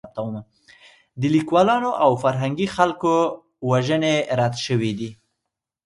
د لیکوالانو او فرهنګي خلکو وژنې رد شوې دي.